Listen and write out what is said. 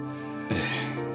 ええ。